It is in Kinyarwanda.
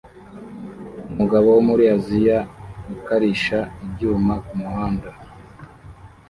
Umugabo wo muri Aziya ukarisha ibyuma kumuhanda